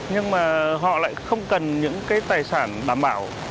nhưng mà họ lại không cần những cái tài sản đảm bảo